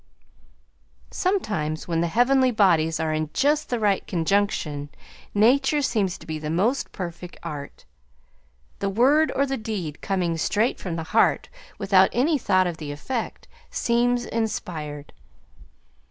Sometimes, when the heavenly bodies are in just the right conjunction, nature seems to be the most perfect art. The word or the deed coming straight from the heart, without any thought of effect, seems inspired.